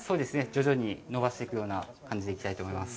徐々に延ばしていくような感じでいきたいと思います。